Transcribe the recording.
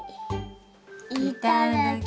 いただきます。